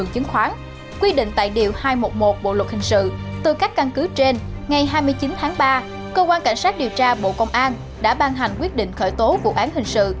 cơ quan cảnh sát điều tra bộ công an đã ban hành quyết định khởi tố vụ án hình sự